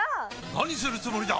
何するつもりだ！？